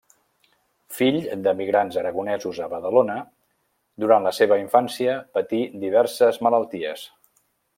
Fill d'emigrants aragonesos a Badalona, durant la seva infància patí diverses malalties.